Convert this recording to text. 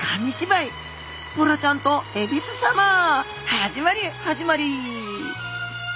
「ボラちゃんとえびす様」始まり始まり